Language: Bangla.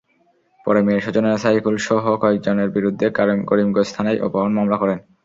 পরে মেয়ের স্বজনেরা সাইকুলসহ কয়েকজনের বিরুদ্ধে করিমগঞ্জ থানায় অপহরণ মামলা করেন।